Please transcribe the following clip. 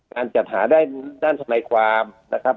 การจับหาได้ด้านสมัยความนะครับ